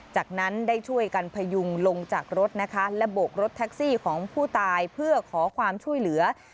จากนั้นได้ช่วยกันพยุงลงจากรถนะคะและโบกรถแท็กซี่ของผู้ตายเพื่อขอความช่วยเหลือ